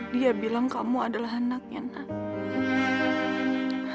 dia bilang kamu adalah anaknya nak